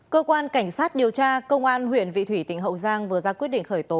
cơ quan cảnh sát điều tra công an huyện vị thủy tỉnh hậu giang vừa ra quyết định khởi tố